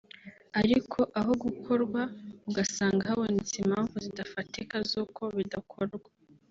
ariko aho gukorwa ugasanga habonetse impamvu zidafatika z’uko bidakorwa